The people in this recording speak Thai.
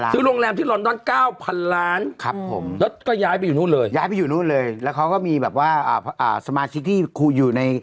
ซื้อโรงแรมที่รอนดอนเหรอลูกเหลือที่ไหนนะ